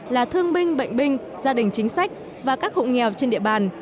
là thương binh bệnh binh gia đình chính sách và các hộ nghèo trên địa bàn